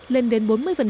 lên đến bốn mươi